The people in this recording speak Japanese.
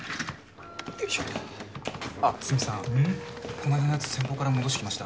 この間のやつ先方から戻してきました。